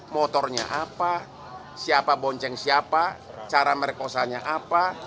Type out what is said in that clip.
motornya apa siapa bonceng siapa cara merekosanya apa